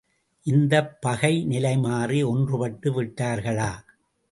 இந்தப் பகை நிலைமாறி ஒன்றுபட்டு விட்டார்களா?